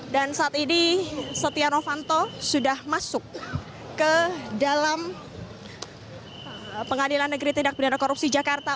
dan saat ini setia novanto sudah masuk ke dalam pengadilan negeri tindak perdana korupsi jakarta